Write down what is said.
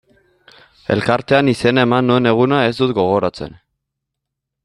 Elkartean izena eman nuen eguna ez dut gogoratzen.